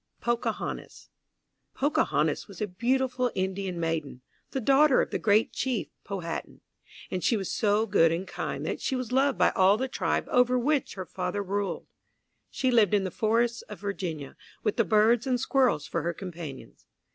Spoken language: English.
A. AND M. F. BLAISDELL Pocahontas was a beautiful Indian maiden, the daughter of the great chief, Powhatan, and she was so good and kind that she was loved by all the tribe over which her father ruled. She lived in the forests of Virginia, with the birds and squirrels for her companions.